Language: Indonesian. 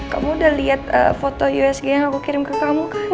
kamu udah liat foto usg yang aku kirim ke kamu kan yang kemarin